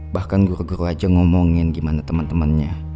bahkan guru guru aja ngomongin gimana temen temennya